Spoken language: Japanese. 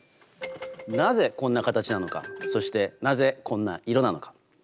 なぜこんな形なのかそしてなぜこんな色なのか。